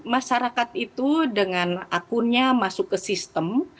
masyarakat itu dengan akunnya masuk ke sistem